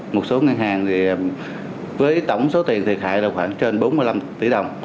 một số ngân hàng với tổng số tiền thiệt hại là khoảng trên bốn mươi năm tỷ đồng